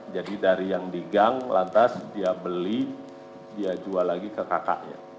jadi dari yang di gang lantas dia beli dia jual lagi ke kakaknya